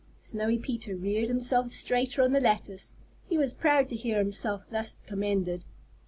Snowy Peter reared himself straighter on the lattice. He was proud to hear himself thus commended.